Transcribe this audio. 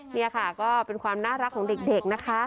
นี่ค่ะก็เป็นความน่ารักของเด็กนะคะ